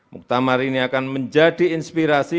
muktamar ini akan menjadi inspirasi